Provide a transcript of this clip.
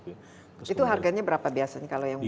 itu harganya berapa biasanya kalau yang